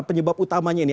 penyebab utamanya ini